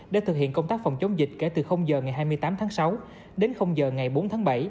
để thực hiện công tác phòng chống dịch kể từ giờ ngày hai mươi tám tháng sáu đến giờ ngày bốn tháng bảy